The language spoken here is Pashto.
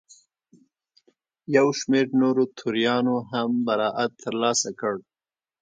یو شمېر نورو توریانو هم برائت ترلاسه کړ.